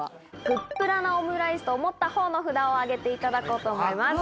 グップラなオムライスと思ったほうの札を上げていただこうと思います。